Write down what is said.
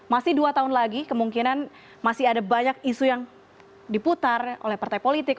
masih dua tahun lagi kemungkinan masih ada banyak isu yang diputar oleh partai politik